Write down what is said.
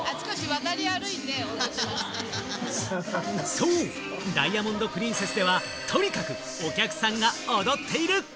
そう、ダイヤモンド・プリンセスでは、とにかくお客さんが踊っている！